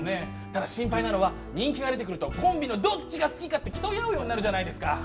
ただ心配なのは人気が出てくるとコンビのどっちが好きかって競い合うようになるじゃないですか。